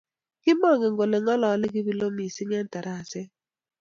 kimangen kole ngarori kebiro missing eng taraset